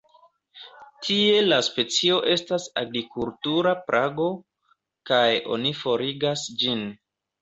Tie la specio estas agrikultura plago kaj oni forigas ĝin.